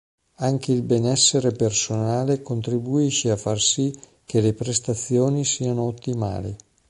Anche il benessere personale contribuisce a far sì che le prestazioni siano ottimali.